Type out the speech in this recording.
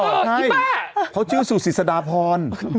อีบ้าเขาชื่อสู่ศิษยาพร